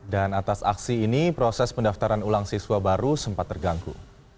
dan atas aksi ini proses pendaftaran ulang siswa baru sempat terganggu